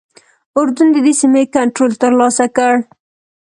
اردن ددې سیمې کنټرول ترلاسه کړ.